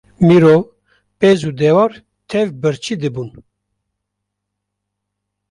Mirov, pez û dewar tev birçî dibûn.